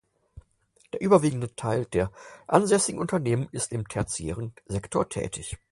Der überwiegende Teil der ansässigen Unternehmen ist im tertiären Sektor tätig.